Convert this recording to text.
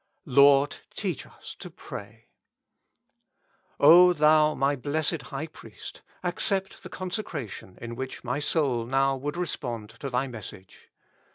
"Lord, teach us to pray." Thou my blessed High Priest, accept the conse cration in which my soul now would respond to Thy message.